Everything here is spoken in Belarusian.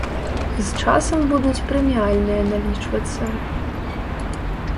З часам будуць прэміальныя налічвацца.